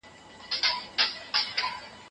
نن هغه غشي د خور ټيكري پېيلي